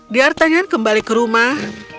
dia bertanya kembali ke rumah